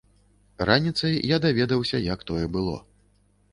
Раніцай я даведаўся, як тое было.